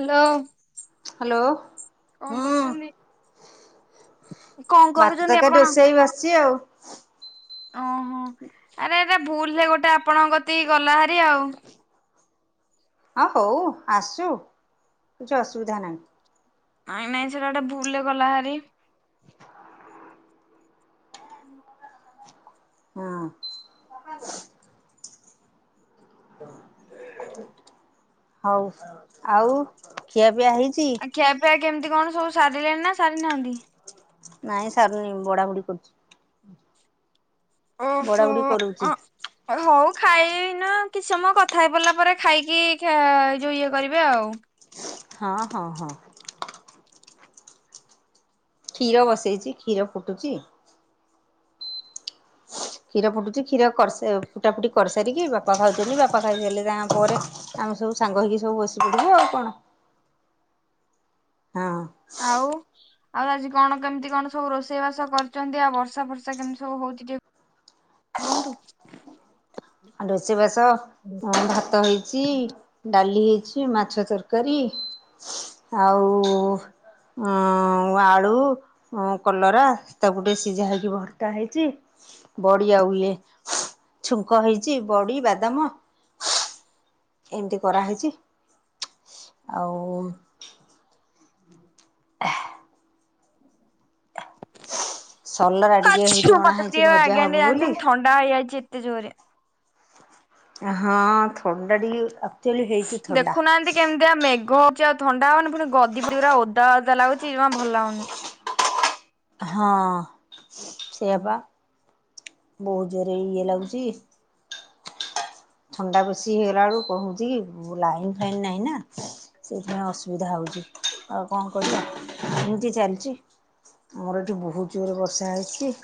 Hello. Hello. କଣ ହୁଁ, କରୁଛନ୍ତି କଣ ଭାତ କରୁଛନ୍ତି ତରକାରୀ ଆପଣ ରୋଷେଇ ବସିଛି ଆଉ ଓହୋ ଆରେ ଆରେ ଭୁଲ ରେ ଗୋଟେ ଆପଣଙ୍କ କତିକି ଗଲା ଭାରିି ଆଉ ହଁ ହଉ ଆସୁ କିଛି ଅସୁବିଧା ନାହିଁ ନାଇଁ ନାଇଁ ସେଟା ଗୋଟେ ଭୁଲ ରେ ଗଲା ହାରି [unintelligible] ହଁ। [unintelligible] [inaudible] ହଉ ଆଉ ଖିଆ ପିଆ ହେଇ ଆ ଖିଆ ପିଆ କେମିତି କଣ ସବୁ ସାରିଲେଣି ନା ସାରିନାହାନ୍ତି? ନାଇଁ ସାରୁନି ବଢାବଢି‌ କରୁଛି। ବଡା ଓହୋ ବୁଡି କରୁଛି ଅଁ। ହଉ [unintelligible] ଖାଇନ କିଛି ସମୟ କଥା ହେଇ ପରିଲା ପରେ ଖାଇକି ଯୋଉ ଇଏ କରିବେ ଆଉ। ହଁ ହଁ ହଁ। କ୍ଷୀର ବସେଇଚି କ୍ଷୀର ଫୁଟୁଛି। କ୍ଷୀର ଫୁଟୁଚି କ୍ଷୀର କରି ଫୁଟା ଫୁଟି କରିସାରିକି ବାପା ଖାଉଛନ୍ତି ବାପା ଖାଇସାରିଲେ ତାଙ୍କ ପରେ ଆମେ ସବୁ ସାଙ୍ଗ ହେଇକି ସବୁ ବସି ପଡିବେ ଆଉ କଣ ହଁ ଆଉ। ଆଉ ଆଜି କଣ କେମିତି କଣ ସବୁ ରୋଷେଇବାସ କରିଛନ୍ତି ଆଉ ବର୍ଷା ଫର୍ଷା କେମିତି ସବୁ ହଉଛି ଟିକେ କୁହନ୍ତୁ। ଆଉ ରୋଷେଇ ବାସ ଭାତ ହେଇଚି ଡାଲି ହେଇଚି ମାଛ ତରକାରୀ ଆଉ ଅଂ ଆଳୁ କଲରା ତାକୁ ଟିକେ ସିଝା ହେଇକି ଭର୍ତ୍ତା ହେଇଚି। ବଡ଼ି ଆଉ ଇଏ କହିଚି ବଡ଼ି ବାଦାମ ଏମିତି କରା ହେଇଚି ଆଉ। [unintelligible] ସଲରା ଟିକେ ମତେ ହୋଇଚି ଅଣା ଟିକେ ହେଉଚି ଭଜା ଆଜ୍ଞା ଟିକେ ହବ ବୋଲି। ଜାଣିଛନ୍ତି ଥଣ୍ଡା ହେଇ ଯାଉଚି ଏତେ ଜୋରେ। ହଁ ଥଣ୍ଡା ଟିକେ ଆ ଦେଖୁନାହାନ୍ତି କେମି ତିଆ ମେଘ ହୋଉଚି ଆଉ ଥଣ୍ଡା ହବନି ପୁଣି ଗଦି ଫଦି ଉରା ଓଦା ଓଦା ଲାଗୁଚି ଜମା ଭଲ ଲାଗୁନି। ହଁ ସେଇଆପା ବୋହୁତ ଜୋରେ ଇଏ ଲାଗୁଚି। ଥଣ୍ଡା ବେଶି ହେଇଗଲା ବେଳକୁ କଣ ହୋଉଚି କି ଲାଇନ୍ ଫାଇନ୍ ନାହିଁ ନା ସେଇଥିପାଇଁ ଅସୁବିଧା ହୋଉଚି ଆଉ କଣ କରିବା ଏମିତି ଚାଲିଚି ଆମର ଏଠି ବୋହୁତ ଜୋରେ ବର୍ଷା ହେଉଚି।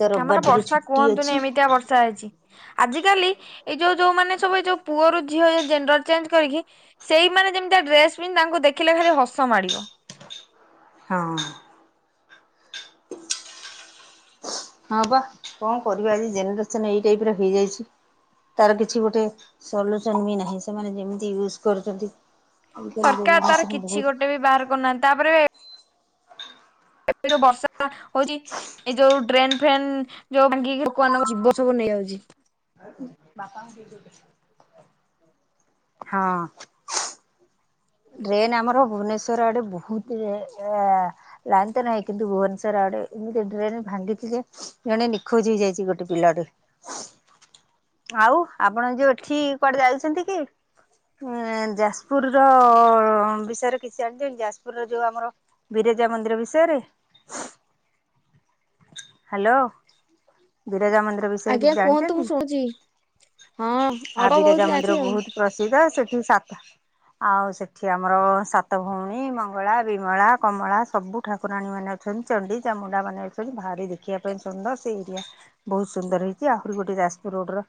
ତ ତା ରବିବାର ମାନେ ଟିକେ ବର୍ଷା ଛୁଟି କୁହନ୍ତୁନି ଅଛି। ଏମିତିଆ ବ ର୍ଷା ହେଇଚି ଆଜିକାଲି ଏଇ ଯୋଉ ଯୋଉ ମାନେ ସବୁ ଏ ଯୋଉ ପୁଅରୁ ଝିଅ ହେଇ ଯାଉ ଜେଣ୍ଡର ଚେଞ୍ଜ କରିକି ସେଇମାନେ ଯେମିତିଆ ଡ୍ରେସ ପିନ୍ଧି ତାଙ୍କୁ ଦେଖିଲେ ଖାଲି ହସ ମାଡିବ। ହଁ। ହଁ ପା କଣ କରିବା ଆଜି ଜେନେରେସନ ଏଇ ଟାଇପରେ ହେଇଯାଇଚି। ତାର କିଛି ଗୋଟେ ସଲ୍ୟୁସନ ବି ନାହିଁ ସେମାନେ ଯେମିତି ୟୁଜ କରୁଚନ୍ତି ସରକାର ତାର କିଛି ଗୋଟେ ବି ବାହାର କରୁନାହାନ୍ତି ତାପରେ ଏବେ ଯୋଉ ବର୍ଷା ହୋଉଚି ଏଇ ଯୋଉ ଡ୍ରେନ ଫେନ୍ ଯୋଉ ଭାଙ୍ଗିକି ଲୋକମାନଙ୍କ ଜୀବ ସବୁ ନେଇଯାଉଚି। [unintelligible] ହଁ। ଡ୍ରେନ୍ ଆମର ଭୁବନେଶ୍ଵର ଆଡେ ବୋହୁତ ଏ ଏ ଲାଇନ୍ ତ ନାହିଁ କିନ୍ତୁ ଭୁବନେଶ୍ୱର ଆଡେ ଏମିତି ଡ୍ରେନ୍ ଭାଙ୍ଗିଚି ଯେ ଜଣେ ନିଖୋଜ ହେଇଯାଇଚି ଗୋଟେ ପିଲାଟେ। ଆଉ ଆପଣ ଯୋଉ ଏଠି କୁଆଡେ ଯାଉଚନ୍ତି କି? ଏଁ ଯାଜପୁର ର ବିଷୟରେ କିଛି ଜାଣିଥିଲ ଯାଜପୁର ର ଯୋଉ ଆମର ବିରଜା ମନ୍ଦିର ବିଷୟରେ। ହାଲୋ ବିରଜା ମନ୍ଦିର ବିଷୟରେ ଆଜ୍ଞା କିଛି କୁହନ୍ତୁ ମୁଁ ଜାଣିଚନ୍ତି? ଶୁଣୁଛି ହଁ ଆ ଅଳ୍ପ ବହୁତ ବିରଜା ଜାଣିଛି ମନ୍ଦିର ଆଉ। ବୋହୁତ ପ୍ରସିଦ୍ଧ ସେଠି ସାତ ଆଉ ସେଠି ଆମର ସାତ ଭଉଣୀ ମଙ୍ଗଳା ବିମଳା କମଳା ସବୁ ଠାକୁରାଣୀ ମାନେ ଅଛନ୍ତି ଚଣ୍ଡି ଚାମୁଣ୍ଡା ମାନେ ଅଛନ୍ତି ଭାରି ଦେ ଖିବା ପାଇଁ ସୁନ୍ଦର ସେଇ ଏରିଆ ବୋହୁତ ସୁନ୍ଦର ହେଇଚି ଆହୁରି ଗୋଟେ ଯାଜପୁର ରୋଡର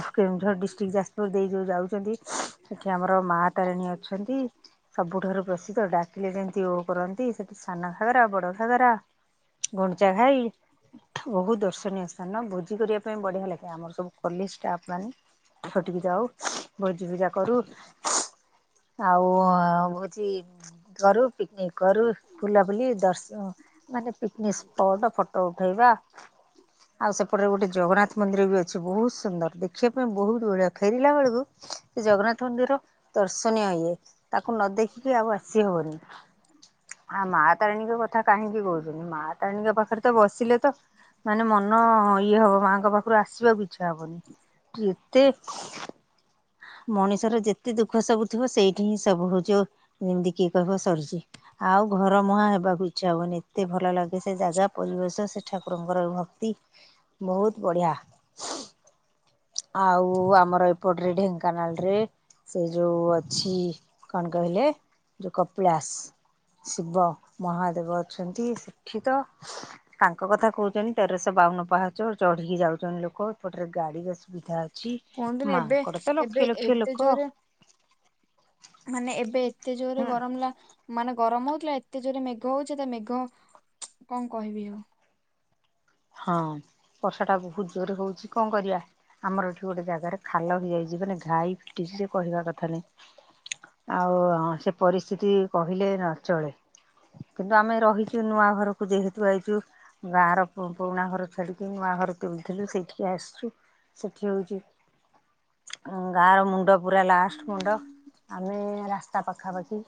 ଥୁ କେଉଁଝର ଡିଷ୍ଟିକ ଯାଜପୁର ଦେଇ ଯୋଉ ଯାଉଚନ୍ତି। ସେଠି ଆମର ମା ତାରିଣୀ ଅଛନ୍ତି। ସବୁଠାରୁ ପ୍ରସିଦ୍ଧ ଡାକିଲେ ଯେମତି ଓ କରନ୍ତି ସେଠି ସାନ ଘାଗରା ବଡ ଘାଗରା ଗୁଣ୍ଡିଚା ଘାଇ। ବୋହୁତ ଦର୍ଶନୀୟ ସ୍ଥାନ ଭୋଜି କରିବା ପାଇଁ ବଢିଆ ଲାଗେ ଆମର ସବୁ ର୍କଲି ଷ୍ଟାପ ମାନେ ସେଠିକି ଯାଉ ଭୋଜି ଭୁଜା କରୁ। ଆଉ ହୋଉଚି କରୁ। ପିକିନିକ କରୁ ବୁଲାବୁଲି ଦର୍ଶ ମାନେ ପିକିନିକ ସ୍ପଟ ଫ ଟ ଉଠେଇବା। ଆଉ ସେପଟରେ ଗୋଟେ ଜଗନ୍ନାଥ ମନ୍ଦିର ବି ଅଛି। ବୋହୁତ ସୁନ୍ଦର ଦେଖିବା ପାଇଁ ବୋହୁତ ବଢିଆ ଫେରିଲା ବେଳକୁ ସେ ଜଗନ୍ନାଥ ମନ୍ଦିର ଦର୍ଶନୀୟ ଇଏ। ତାକୁ ନ ଦେଖିକି ଆଉ ଆସିହବନି ଆ ମା ତାରିଣୀଙ୍କ କ ଥା କାହିଁକି କୋହୁଚନ୍ତି ମା ତାରିଣୀଙ୍କ ପାଖରେ ତ ବସିଲେ ତ ମାନେ ମନ ଇଏ ହବ ମାଙ୍କ ପାଖରୁ ଆସିବାକୁ ଇଚ୍ଛା ହବନି। ଏତେ ମଣିଷର ଯେତେ ଦୁଃଖ ସବୁ ଥିବ ସେଇଠି ହିଁ ସବୁ ହଉଛି ଏମତି କିଏ କହିବ ସରିଛି ଆଉ ଘର ମୁହାଁ ହେବାକୁ ଇଚ୍ଛା ହବନି ଏତେ ଭଲ ଲାଗେ ସେ ଜାଗା। ଯଶ ସେ ଠାକୁରଙ୍କର ଭକ୍ତି ବହୁତ ବଢିଆ। ଆଉ ଆମର ଏପଟରେ ଢେଙ୍କାନାଳ ରେ ସେ ଯୋଉ ଅଛି କଣ କହିଲେ ଯୋଉ କପିଳାସ। ଶିବ ମହାଦେବ ଅଛନ୍ତି ସେଠିତ ତାଙ୍କ କଥା କହୁଛନ୍ତି ତେରଶହ ବାଉନ ପାହାଚ ଚଢିକି ଯାଉଛନ୍ତି ଲୋକ ଏପଟରେ ଗାଡି ଆସୁ ସୁବିଧା ଅଛି କୁହନ୍ତୁନି ଏବେ ମାଙ୍କର ତ ଏବେ ଲକ୍ଷ ଲକ୍ଷ ଏତେ ଲୋକ ଜୋରେ ମାନେ ଏବେ ଏତେ ଜୋରରେ ହୁଁ ଗରମ ହେଲା ମାନେ ଗରମ ହଉଥିଲା ଏତେ ଜୋର୍ ରେ ମେଘ ହଉଛି ତା ମେଘ କଣ କହିବି ଆଉ। ହଁ ବର୍ଷା ଟା ବହୁତ ଜୋରେ ହଉଛି କଣ କରିବା। ଆମର ଏଠି ଗୋଟେ ଜାଗାରେ ଖାଲ ହେଇଯାଇଛି ମାନେ ଘାଇ ଫିଟିଛି ସେ କହିବା କଥା ନାଇଁ। ଆଉ ସେ ପରିସ୍ଥିତି କହିଲେ ନ ଚଳେ। କିନ୍ତୁ ଆମେ ରହିଛୁ ନୂଆ ଘରକୁ ଯେହେତୁ ଆଇଛୁ ଗାଁ ର ପୁରୁଣା ଘର ଛାଡ଼ିକି ନୂଆ ଘର କିଣିଥିଲୁ ସେଇଠିକି ଆସିଛୁ ସେଇଠି ହଉଛି ଗାଁ ର ମୁଣ୍ଡ ପୁରା ଲାଷ୍ଟ ମୁଣ୍ଡ ଆମେ ରାସ୍ତା ପାଖାପାଖି।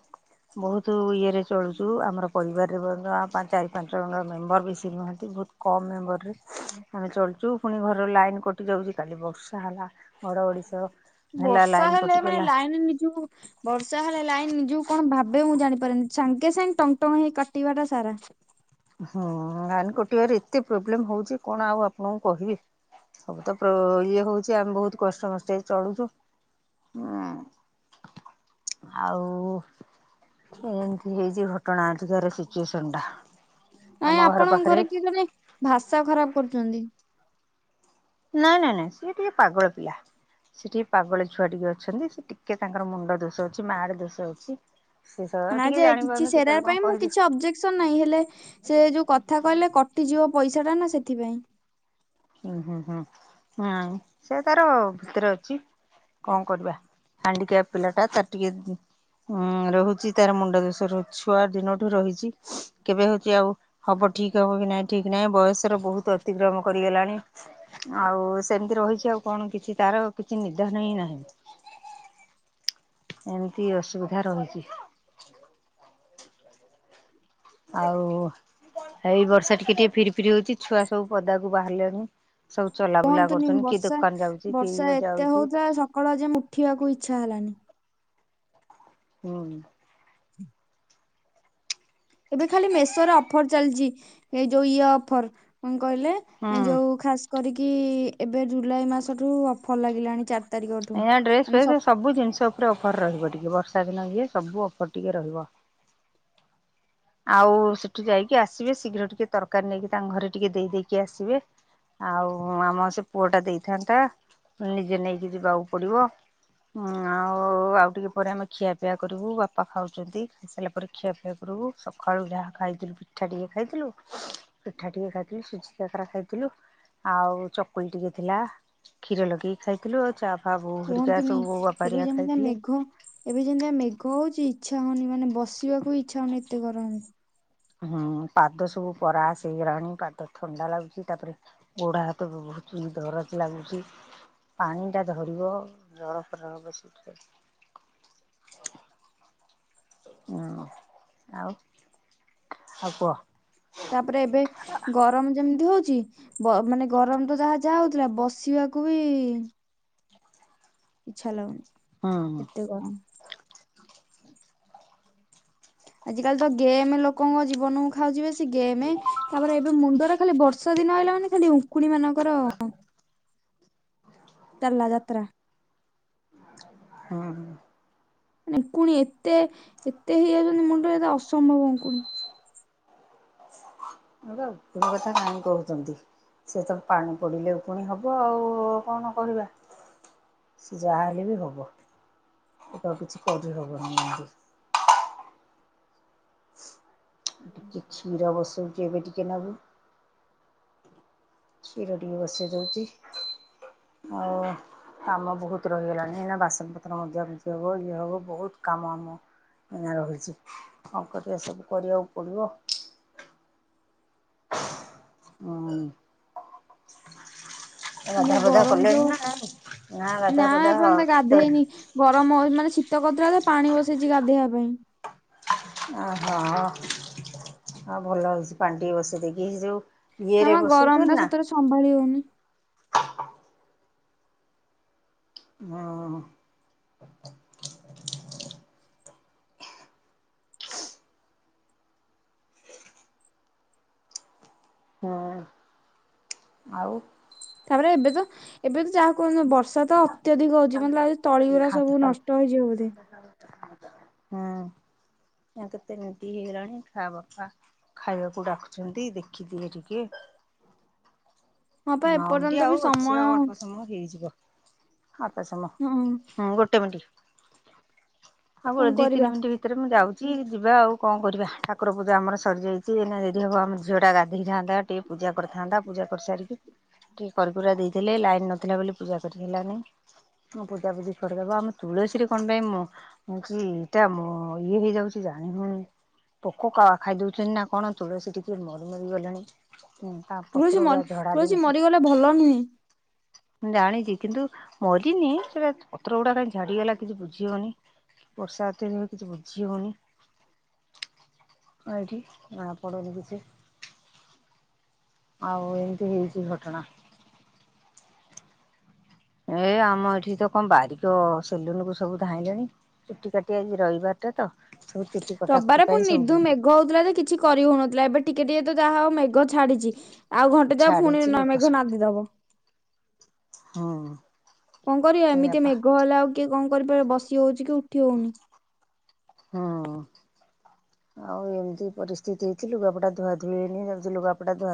ବହୁତ ଇଏରେ ଚଳୁଛୁ ଆମର ପରିବାରରେ ମଧ୍ୟ ଚାରି ପାଞ୍ଚ ଜଣଙ୍କର ମେମ୍ବର ବେଶୀ ନୁହନ୍ତି ବହୁତ କମ ମେମ୍ବରରେ ଆମେ ଚଳଛୁ ପୁଣି ଘର ଲାଇନ କଟୁ କଟି ଯାଉଛି କାଲି ବର୍ଷା ହେଲା ଘଡ଼ଘଡ଼ି ସହ ହେଲା ବର୍ଷା ଲାଇନ୍ ହେଲେ କଟିିଗଲା। ମାନେ ନିଜକୁ ବର୍ଷା ହେଲେ ଲାଇନ ନିଜକୁ କଣ ଭାବେ ମୁଁ ଜାଣିପାରନି ସାଙ୍ଗେ ସାଙ୍ଗେ ଟଙ୍ଗ ଟଙ୍ଗ ହେଇ କାଟିବା ଟା ସାରା। ହୁଁ ଲାଇନ୍ କଟିବାରେ ଏତେ ପ୍ରୋବ୍ଲେମ ହଉଛି କଣ ଆଉ ଆପଣଙ୍କୁ କହିବି। ସବୁ ତ ଇଏ ହଉଛି ଆମେ ବହୁତ କଷ୍ଟେମଷ୍ଟେ ଚଳୁଛୁ। ହୁଁ। ଆଉ ଏମିତି ହେଇଛି ଘଟଣା ଏଠିକାର ସିଚୁଏସନ ଟା। ନାଇଁ ଆପଣଙ୍କ ଘରେ କିଏ ଜଣେ ଭାଷା ଖରାପ କରୁଛନ୍ତି। ନାଇଁ ନାଇଁ ନାଇଁ ସିଏ ଟିକେ ପାଗଳ ପିଲା। ସେଟିକେ ପାଗଳୀ ଛୁଆ ଟିକେ ଅଛନ୍ତି ସେ ଟିକେ ତାଙ୍କର ମୁଣ୍ଡ ଦୋଷ ଅଛି ମାଡ ଦୋଷ ଅଛି। ସେ ସ ନା ଟିକେ ଯେ କିଛି ଜାଣିପାରୁନି କେତେବେଳେ ସେରାର କଣ ପାଇଁ ମୁଁ କହିଦେ କିଛି ଅବଜେକ୍ଟ ଟେନ୍ସନ ନାଇଁ ହେଲେ ସେ ଯୋଉ କଥା କହିଲେ କଟିଯିବ ପଇସା ଟା ନା ସେଥିପାଇଁ। ହୁଁ ହୁଁ ହୁଁ ହୁଁ ସେ ତାର ଭିତରେ ଅଛି କଣ କରିବା। ହାଣ୍ଡିକ୍ୟାପ୍ ପିଲଟା ତାର ଟିକେ ଉଁ ରହୁଛି ତାର ମୁଣ୍ଡ ଦୋଷ ରହୁଛି ଛୁଆ ଦିନଠୁ ରହିଛି କେବେ ହଉଛି ଆଉ ହବ ଠିକ୍ ହବ କି ନାଇଁ ଠିକ ନାଇଁ ବୟସର ବହୁତ ଅତିକ୍ରମ କର ଗଲାଣି ଆଉ ସେମିତି ରହିଛି ଆଉ କଣ କିଛି ତାର କିଛି ନିଧାନ ହିଁ ନାହିଁ। ଏମିତି ଅସୁବିଧା ରହିଛି। ଆଉ ଏଇ ବର୍ଷା ଟିକେ ଟିକେ ଫିରି ଫିରି ହଉଛି ଛୁଆ ସବୁ ପଦାକୁ ବାହାରିଲେଣି। ସବୁ ଚଲାବୁଲା କୁହନ୍ତୁନି କରୁଛନ୍ତି କିଏ ବର୍ଷା ଦୋକାନ ଯାଉଛି କିଏ ବର୍ଷା ଇଏ ଏତେ ଯାଉଛି ହଉଥିଲା ସକାଳୁ ଆ ଯେ ଉଠିବାକୁ ଇଚ୍ଛା ହେଲାନି। ହୁଁ। ଏବେ ଖାଲି ମେସୋ ରେ ଅଫର ଚାଲିଛି ଏ ଯୋଉ ଇଏ ଅଫର କଣ କହିଲେ? ହୁଁ। ଯୋଉ ଖାସ କରିକି ଏବେ ଜୁଲାଇ ମାସଠୁ ଅଫର ଲାଗିଲାଣି ଚାରି ତାରିଖଠୁ। ଆଜ୍ଞା ଡ୍ରେସ ମାନେ ସ ଫେସ ସବୁ ଜିନିଷ ଉପରେ ଅଫର ରହିବ ଟିକେ ବର୍ଷା ଦିନ ଇଏ ସବୁ ଅଫର ଟିକେ ରହିବ। ଆଉ ସେଠୁ ଯାଇକି ଆସିବେ ଶୀଘ୍ର ଟିକେ ତରକାରୀ ନେଇକି ତାଙ୍କ ଘରେ ଟିକେ ଦେଇ ଦେଇେଇକି ଆସିବେ। ଆଉ ଆମ ସେ ପୁଅ ଟା ଦେଇଥାନ୍ତା ନିଜେ ନେଇକି ଯିବାକୁ ପଡିବ। ଉଁ ଆଉ ଆଉ ଟିକେ ପରେ ଆମେ ଖିଆ ପିଆ କରିବୁ ବାପା ଖାଉଛନ୍ତି। ଖାଇ ସରିଲା ପରେ ଖିଆ ପିଆ କରିବୁ। ସକାଳୁ ଯାହା ଖାଇଥିଲୁ ପିଠା ଟିକେ ଖାଇଥିଲୁ ପିଠା ଟିକେ ଖାଇଥିଲୁ ସୁଜି କାକରା ଖାଇଥିଲୁ। ଆଉ ଚକୁଳି ଟିକେ ଥିଲା କ୍ଷୀର ଲଗେଇକି ଖାଇଥିଲୁ ଆଉ ଚା ଫା ବୋଉ ହେରିକା କୁହନ୍ତୁନି ସବୁ ବୋଉ ବାପା ଏବେ ହେରିକା ଯେମିତିଆ ଖାଇଥିଲେ ମେଘ ଏବେ ଯେମିତିଆ ମେଘ ହଉଛି ଇଚ୍ଛା ହଉନି ମାନେ ବସିବାକୁ ଇଚ୍ଛା ହଉନି ଏତେ ଗରମ। ହୁଁ ପାଦ ସବୁ ପରାସ ହେଇଗଲାଣି ପାଦ ଥଣ୍ଡା ଲାଗୁଛି ତାପରେ ଗୋଡ ହାତ ବି ବହୁଛି ଦରଜ୍ ଲାଗୁଛି। ପାଣି ଟା ଧରିବ ଜର ଫର ହବ ସେଇଥିରେ। ହଁ ଆଉ ଆଉ କୁହ? ତାପରେ ଏବେ ଗରମ ଯେମିତି ହଉଛି ବ ମାନେ ଗରମ ତ ଯାହା ଯାହା ହଉଥିଲା ବସିବାକୁ ବି ଇଚ୍ଛା ଲାଗୁନି। ହୁଁ ଏତେ ଗରମ ଆଜିକାଲି ତ ଗେମ୍ ଲୋକଙ୍କ ଜୀବନକୁ ଖାଉଛିି ବେସି ଗେମ ତାପରେ ଏବେ ମୁଣ୍ଡ ରେ ଖାଲି ବର୍ଷା ଦିନ ଆଇଲା ମାନେ ଖାଲି ଉଙ୍କୁଣି ମାନଙ୍କର ଚାଲ୍ଲା ଯାତ୍ରା। ହଁ। ଉଙ୍କୁଣି ଏତେ ଏତେ ହେଇଯାଉଛନ୍ତି ମୁଣ୍ଡରେ ଏ ଅସମ୍ଭବ ଉଙ୍କୁଣି। ଉକୁଣୀ କଥା କାଇଁ କହୁଛନ୍ତି। ସେ ତ ପାଣି ପଡ଼ିଲେ ପୁଣି ହବ ଆଉ କଣ କରିବା। ସେ ଯାହାହଲେ ବି ହେବ। ଏବେ ଆଉ କିଛି କରିହେବନି [unintelligible] ଟିକେ କ୍ଷୀର ବସୋଉଛି ଏବେ ଟିକେ ନାକୁ। କ୍ଷୀର ଟିକେ ବସେଇ ଦଉଛି ଆଉ କାମ ବହୁତ ରହିଗଲାଣି। ଏନା ବାସନ ପତ୍ର ମଯାମୁଜି ହବ ଇଏ ହବ ବହୁତ କାମ ଆମ ଏନା ରହିଛି କଣ କରିବା ସବୁ କରିବାକୁ ପଡିବ। ହୁଁ। ଗାଧୁଆ ମାନେ ପାଧୁଆ ଗରମ କଲେଣି ଯୋଉ ନା ନାଇଁ ନା ଗାଧୁଆ ପାଧୁଆ ଏପର୍ଯ୍ୟନ୍ତ ଗାଧେଇନି [unintelligible] ଗରମ ହୋଉ ମାନେ ଶୀତ କରୁଥିଲାତ ପାଣି ବସେଇଛି ଗାଧୋଇବା ପାଇଁ। ଓହୋ ହ ହଁ ଭଲ ହେଇଛି ପାଣି ଟିକେ ବସେଇ ଦେଇକି ଏଯୋଉ ନାମ ଗରମ ଟା ସତରେ ସମ୍ଭାଳି ହଉନି। ହଁ। ହଁ। ଆଉ ତାପରେ ଏବେ ତ ଏବେ ତ ଯାହା କୁହନ୍ତୁ ବର୍ଷା ତ ଅତ୍ୟଧିକ ହଉଛି ମତେ ଲାଗୁଚ ତଳିଗୁରା ଖାତ ସବୁ ଖାଉ ନଷ୍ଟ ହେଇଯିବ ବୋଧେ। [inaudible] ହଁ। ଆ କେତେ ମିନଟ୍ ହେଇଗଲାଣି ରଖାହବ? ଖାଇବାକୁ ଡାକୁଛନ୍ତି ଦେଖିଦିଏ ଟିକେ ହଁ ପା ନଅ ମିନିଟ୍ ଏପର୍ଯ୍ୟନ୍ତ ବି ଆଉ ସମୟ ଅଛି ଆଉ ଅଳ୍ପ ସମୟ ହେଇଯିବ। ଆଉ ଅଳ୍ପ ସମୟ ହଁ ହୁଁ ଗୋଟେ ମିଣ୍ଟ। ହଉ କଣ ଦି କରିବା ତିନିିମିଣ୍ଟ ଭିତରେ ମୁଁ ଯାଉ ଚି ଯିବା ଆଉ କଣ କରିବା ଠାକୁର ପୂଜା ଆମର ସରିଯାଇଛି ଏନା ଯଦି ହେବ ଆମର ଝିଅଟା ଗାଧୋଇଯାନ୍ତା ଟିକେ ପୂଜା କରିଥାନ୍ତା ପୂଜା କରିସାରିକି ଟିକେ କରିକୁରା ଦେଇଥିଲେ ଲାଇନ ନଥିଲା ବୋଲି ପୂଜା କରିହେଲାନି। ହଁ ପୂଜାପୂଜି କରିଦେବ ଆମ ତୁଳସୀରେ କଣ ପାଇଁ ମ ହୋଉଛି ଏଇଟା ମ ଇଏ ହେଇଯାଉଛି ଚି ଜନିହୋଉନି। ପୋକ କା ଖାଇ ଦଉଛନ୍ତି ନା କଣ ତୁଳସୀ ଟିକେ ମରି ମରି ଗଲେଣି। ତା ପତ୍ର ତୁଳସୀ ମ ଗୁଡା ଝଡା ତୁଳସୀ ଦେଇଛି। ମରିଗଲେ ଭଲ ନୁହେଁ। ମୁ ଜାଣିଛି କିନ୍ତୁ ମରିନି ସେଟା ପତ୍ର ଗୁଡା କାହିଁ ଝଡ଼ିଗଲା କିଛି ବୁଝି ହଉନି। ବର୍ଷା ଏତେ ଜୋରେ କିଛି ବୁଝି ହଉନି। ଏଇଠି ନା ପଡୁନି କିଛି ଆଉ ଏମିତି ହେଇଛି ଘଟଣା। ଏ ଆମ ଏଠି ତ କଣ ବାରିକ ସେଲୁନ କୁ ସବୁ ଧାଇଁଲେଣି। ଚୁଟି କାଟି ଆଜି ରଇବାର ଟା ତ ସବୁ ଚୁଟି କଟା ରବିବାରେ କଟି ପୁଣି ପାଇଁ ନିର୍ଧୁମ ସବୁ ମେଘ ହୋଉଥିଲା ଯେ କିଛି କରି ହୋଉ ନଥିଲା ଏବେ ଟିକେ ଟିକେ ତ ଯାହା ହୋଉ ମେଘ ଛାଡିଚି। ଆଉ ଘଣ୍ଟେ ଯାଉ ଫୁଣି ଛାଡିଛି ନ ଲୋକ ମେଘ ସବୁ ନାଦିଦବ। ହୁଁ। କଣ କରିବା ଏମିତି ସେଇଆପା ମେଘ ହେଲା ଆଉ କିଏ କଣ କରିପାରିବ ବସି ହୋଉଚି କି ଉଠି ହୋଉନି। ହଁ। ଆଉ ଏମିତି ପରିସ୍ଥିତି ହେଇଚି ଲୁଗାପଟା ଧୁଆଧୁଇ ହେଇନି ଯାଉଚି ଲୁଗାପଟା ଧୁଆ